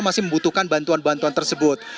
masih membutuhkan bantuan bantuan tersebut